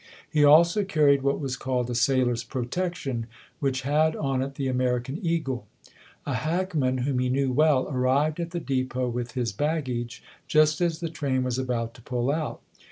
He also carried what was called a sailor's protection, which had on it the American eagle. A hackman, whom he knew well, arrived at the depot with his baggage just as the train was about to pull out.